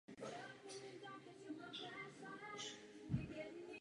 Jsou to dřeviny s jednoduchými střídavými listy a drobnými květy v květenstvích různých typů.